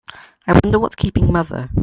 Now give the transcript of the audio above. I wonder what's keeping mother?